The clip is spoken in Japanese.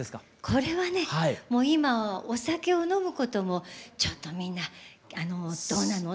これはねもう今お酒を飲むこともちょっとみんなどうなのって。